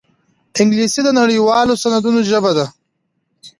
انګلیسي د نړيوالو سندونو ژبه ده